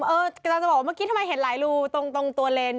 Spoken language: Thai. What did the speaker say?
กำลังจะบอกว่าเมื่อกี้ทำไมเห็นหลายรูตรงตัวเลน